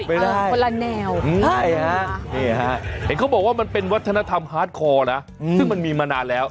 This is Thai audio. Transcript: เขาและแนวงั้นเห็นเขาบอกว่ามันเป็นวัฒนธรรมทัศน์คอลหน่ะซึ่งมันมีมานานแล้ว